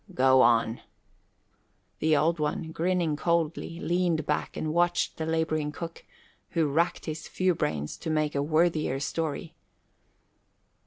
"Go on." The Old One, grinning coldly, leaned back and watched the labouring cook, who wracked his few brains to make a worthier story.